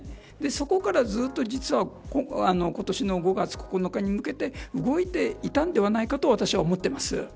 そこから、ずっと実は今年の５月９日に向けて動いていたんではないかと私は思っています。